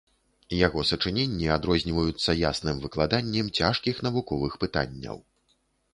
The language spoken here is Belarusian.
Яго сачыненні адрозніваюцца ясным выкладаннем цяжкіх навуковых пытанняў.